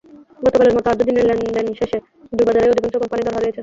গতকালের মতো আজও দিনের লেনদেন শেষে দুই বাজারেই অধিকাংশ কোম্পানি দর হারিয়েছে।